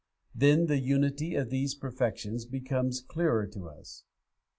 Then the unity of these perfections becomes clearer to us.